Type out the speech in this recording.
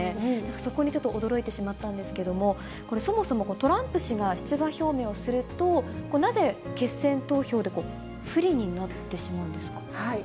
そこにちょっと驚いてしまったんですけれども、これ、そもそもトランプ氏が出馬表明をすると、なぜ決選投票で不利になってしまうんですか。